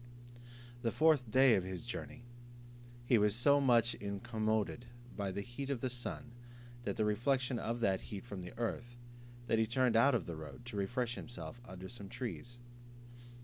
The fourth day of his journey, he was so much incommoded by the heat of the sun, and the reflection of that heat from the earth, that he turned out of the road, to refresh himself under some trees.